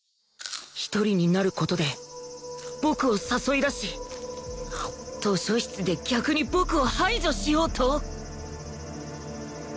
１人になる事で僕を誘い出し図書室で逆に僕を排除しようと！？